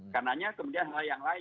karena kemudian hal yang lain